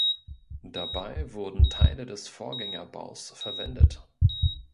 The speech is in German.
Dabei wurden Teile des Vorgängerbaus verwendet.